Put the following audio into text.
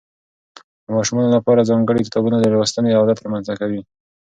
د ماشومانو لپاره ځانګړي کتابونه د لوستنې عادت رامنځته کوي.